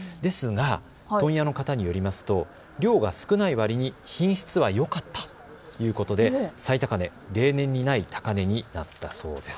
ですが問屋の方によりますと量は少ない割に品質はよかったということで最高値、例年にない高値になったそうです。